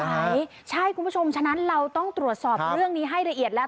ใช่คุณผู้ชมฉะนั้นเราต้องตรวจสอบเรื่องนี้ให้ละเอียดแล้ว